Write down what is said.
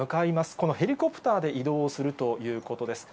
このヘリコプターで移動をするということです。